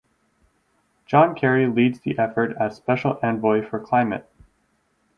John Kerry leads the effort as Special Envoy for Climate.